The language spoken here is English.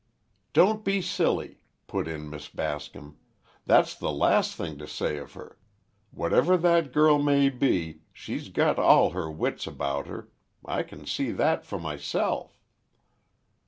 "Don't be silly," put in Miss Bascom. "That's the last thing to say of her! Whatever that girl may be she's got all her wits about her! I can see that for myself."